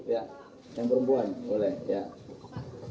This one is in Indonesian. yang perempuan boleh